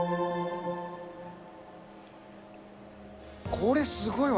これすごいわ。